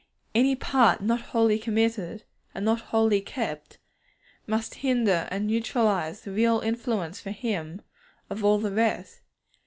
Any part not wholly committed, and not wholly kept, must hinder and neutralize the real influence for Him of all the rest.